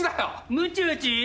むち打ち？